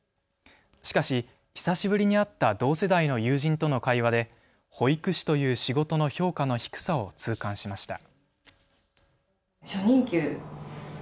しかし久しぶりに会った同世代の友人との会話で保育士という仕事の評価の低さを痛感しました。